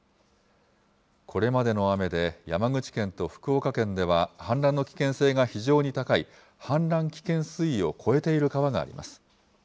これまでの雨で山口県と福岡県では、氾濫の危険性が非常に高い、氾濫危険水位を超えている川があります。